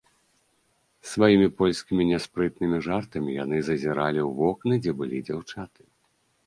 З сваімі польскімі няспрытнымі жартамі яны зазіралі ў вокны, дзе былі дзяўчаты.